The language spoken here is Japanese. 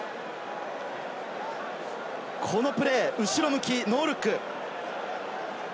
このプレー、後ろ向きノールック。